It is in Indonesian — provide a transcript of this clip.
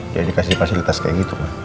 jadi kasih fasilitas kayak gitu ma